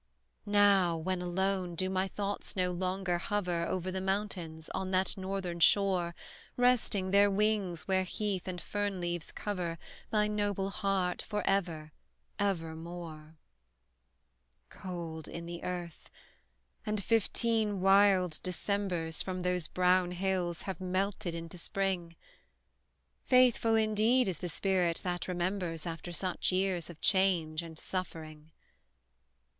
Now, when alone, do my thoughts no longer hover Over the mountains, on that northern shore, Resting their wings where heath and fern leaves cover Thy noble heart for ever, ever more? Cold in the earth and fifteen wild Decembers, From those brown hills, have melted into spring: Faithful, indeed, is the spirit that remembers After such years of change and suffering!